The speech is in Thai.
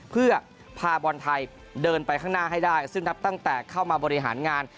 เพื่อพาบอลไทยเดินไปข้างหน้าให้ได้ซึ่งครับตั้งแต่เข้ามาบริหารงาน